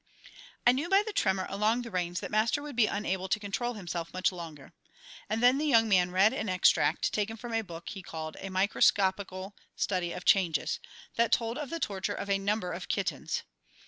I knew by the tremor along the reins that Master would be unable to control himself much longer. And then the young man read an extract taken from a book he called "A Microscopical Study of Changes," that told of the torture of a number of kittens.